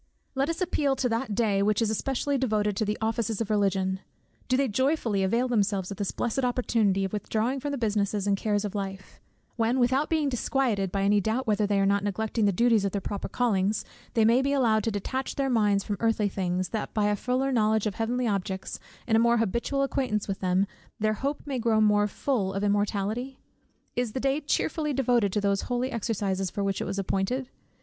Let us appeal to that Day which is especially devoted to the offices of Religion: Do they joyfully avail themselves of this blessed opportunity of withdrawing from the business and cares of life; when, without being disquieted by any doubt whether they are not neglecting the duties of their proper callings, they may be allowed to detach their minds from earthly things, that by a fuller knowledge of heavenly objects, and a more habitual acquaintance with them, their hope may grow more "full of immortality?" Is the day cheerfully devoted to those holy exercises for which it was appointed?